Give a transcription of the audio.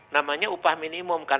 namanya upah minimum kan